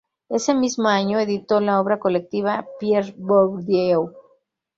Ese mismo año editó la obra colectiva, "Pierre Bourdieu.